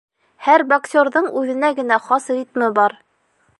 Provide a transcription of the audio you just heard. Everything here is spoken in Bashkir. Һәр боксерҙың үҙенә генә хас ритмы бар.